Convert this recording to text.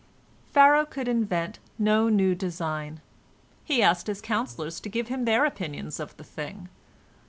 Pharaoh could invent no new design; he asked his counsellors to give him their opinion of the thing.